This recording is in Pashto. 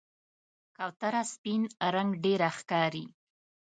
کوتره سپین رنګ ډېره ښکاري.